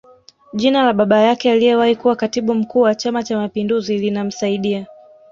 Jina la baba yake aliyewahi kuwa Katibu Mkuu wa Chama Cha mapinduzi linamsaidia